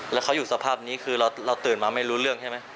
แล้วเขาอยู่สภาพนี้คือเราตื่นมาไม่รู้เรื่องใช่ไหม